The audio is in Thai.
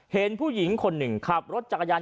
เห็นผู้หญิงคนหนึ่งขับรถจักรยาน